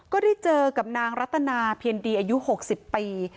ก็ได้เจอกับนางรัตนาเพียรดีอายุ๖๐ปี